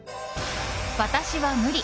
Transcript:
私は無理。